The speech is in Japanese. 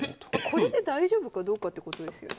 これで大丈夫かどうかってことですよね。